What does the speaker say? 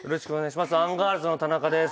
アンガールズの田中です。